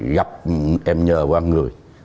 gặp em nhờ qua người